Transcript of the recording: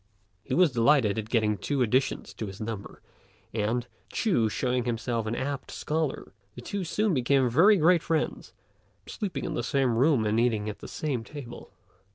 He was delighted at getting two additions to his number and, Ch'u showing himself an apt scholar, the two soon became very great friends, sleeping in the same room and eating at the same table.